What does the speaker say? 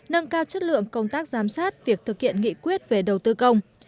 nâng cao chất lượng công tác giám sát việc thực hiện nghị quyết về đầu tư công